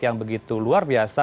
yang begitu luar biasa